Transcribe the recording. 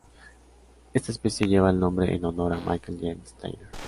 Esta especie lleva el nombre en honor a Michael James Tyler.